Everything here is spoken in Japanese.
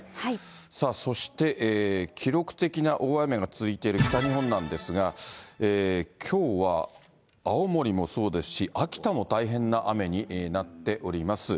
さあそして、記録的な大雨が続いている北日本なんですが、きょうは青森もそうですし、秋田も大変な雨になっております。